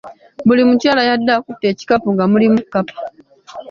Buli mukyala yabadde akutte ekikapu nga mulimu kkapa.